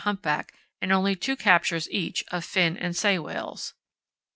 humpback, and only 2 captures each of fin and sei whales.